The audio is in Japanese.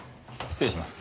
失礼します！